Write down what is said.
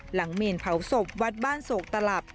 เมนเผาศพวัดบ้านโศกตลับ